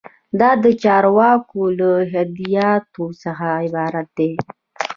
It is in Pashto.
دا د چارواکو له هدایاتو څخه عبارت دی.